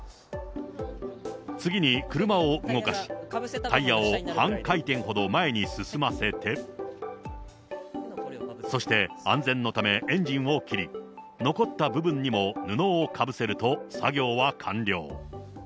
次に車を動かし、タイヤを半回転ほど前に進ませて、そして、安全のためエンジンを切り、残った部分にも布をかぶせると、作業は完了。